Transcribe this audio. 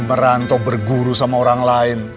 merantau berguru sama orang lain